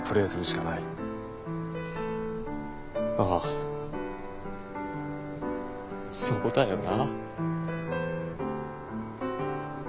ああそうだよな。